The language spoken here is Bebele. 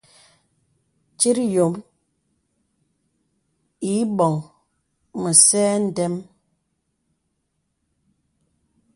Tit yɔ̄m îbɔ̀ŋ mə̄sɛ̄ ndɛm.